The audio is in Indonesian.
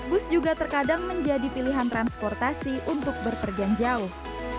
bus juga terkadang menjadi pilihan transportasi untuk berpergian jauh